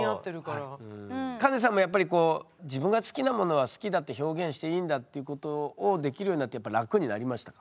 カネさんもやっぱり自分が好きなものは好きだって表現していいんだっていうことをできるようになって楽になりましたか？